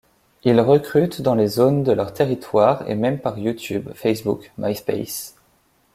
Ils recrutent dans les zones de leurs territoires et même par Youtube, Facebook, Myspace...